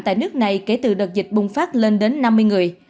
tại nước này kể từ đợt dịch bùng phát lên đến năm mươi người